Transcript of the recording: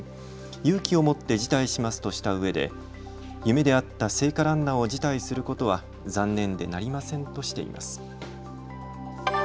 勇気を持って辞退しますとしたうえで夢であった聖火ランナーを辞退することは残念でなりませんとしています。